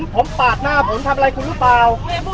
ผมปาดหน้าผมทำอะไรคุณหรือเปล่า